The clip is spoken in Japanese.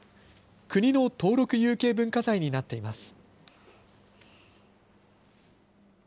国の登録有形文化財になっています。